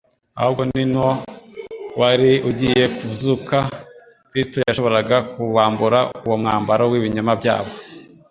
ahubwo n'nwo wari ugiye kvzuka. Kristo yashoboraga kubambura uwo mwambaro w'ibinyoma byabo.